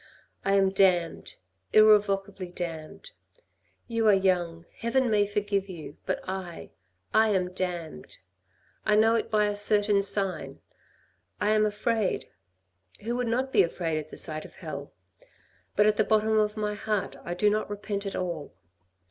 " I am damned, irrevocably damned. You are young, heaven may forgive you, but I, I am damned. I know it by a certain sign. I am afraid, who would not be afraid at the sight of hell ? but at the bottom of my heart I do not repent at all.